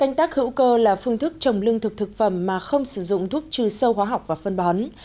canh tác hữu cơ là phương thức trồng lương thực thực phẩm mà không sử dụng thuốc trừ sâu hóa học và phân bón